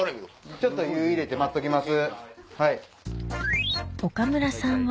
ちょっと湯入れて待っときます。